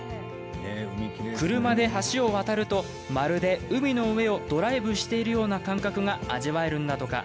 車で橋を渡ると、まるで海の上をドライブしているような感覚が味わえるんだとか。